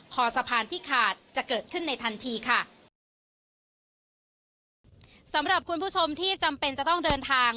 สะพานที่ขาดจะเกิดขึ้นในทันทีค่ะสำหรับคุณผู้ชมที่จำเป็นจะต้องเดินทาง